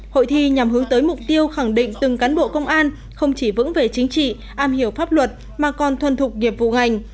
hội thi nhằm hướng tới mục tiêu khẳng định từng cán bộ công an không chỉ vững về chính trị am hiểu pháp luật mà còn thuần thục nghiệp vụ ngành